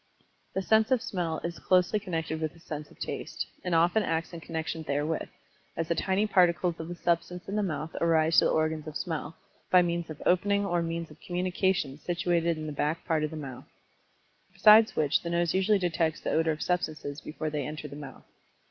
The sense of Smell is closely connected with the sense of Taste, and often acts in connection therewith, as the tiny particles of the substance in the mouth arise to the organs of Smell, by means of the opening or means of communication situated in the back part of the mouth. Besides which the nose usually detects the odor of substances before they enter the mouth.